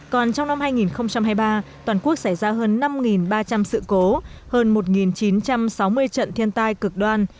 còn trong năm hai nghìn hai mươi ba toàn quốc xảy ra hơn năm ba trăm linh sự cố hơn một chín trăm sáu mươi trận thiên tai cực đoan